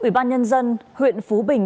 ủy ban nhân dân huyện phú bình